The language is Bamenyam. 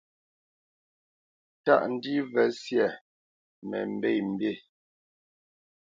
Tâʼ ndî və syâ mə mbê mbî.